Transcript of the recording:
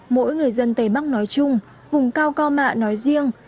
mỗi người dân tây bắc nói chung vùng cao co mạ nói riêng